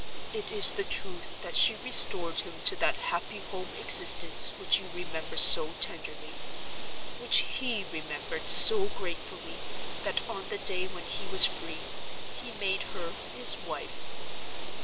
It is the truth that she restored him to that happy home existence which you remember so tenderly—which he remembered so gratefully that, on the day when he was free, he made her his wife.